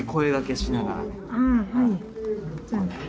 ああはい。